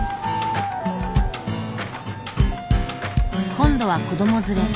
今度は子ども連れ。